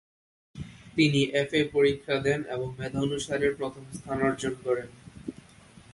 তিনি F. A পরীক্ষা দেন এবং মেধানুসারে প্রথম স্থান অর্জন করেন।